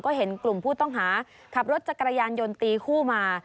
ก็เห็นกลุ่มผู้ต้องหาขับรถจักรยานยนต์ตีคู่มา